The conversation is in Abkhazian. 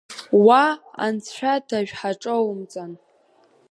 Уа анцәа дажә ҳаҿоумҵан.